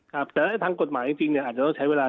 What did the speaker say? ครับแต่ทางกฎหมายจริงเนี่ยอาจจะต้องใช้เวลา